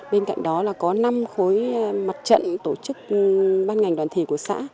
bên cạnh đó là có năm khối mặt trận tổ chức ban ngành đoàn thể của xã